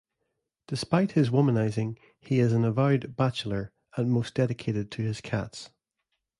Despite his womanizing, he is an avowed bachelor, and most dedicated to his cats.